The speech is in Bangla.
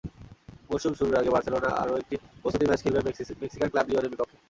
মৌসুম শুরুর আগে বার্সেলোনা আরও একটি প্রস্তুতি ম্যাচ খেলবে মেক্সিকান ক্লাব লিওনের বিপক্ষে।